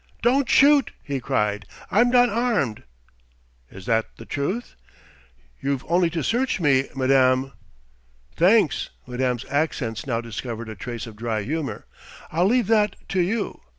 "Don't shoot!" he cried. "I'm not armed " "Is that the truth?" "You've only to search me, madame!" "Thanks!" Madame's accents now discovered a trace of dry humour. "I'll leave that to you.